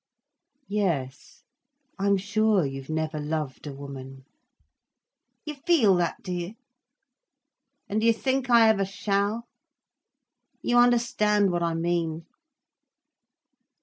"Yes. I'm sure you've never loved a woman." "You feel that, do you? And do you think I ever shall? You understand what I mean?"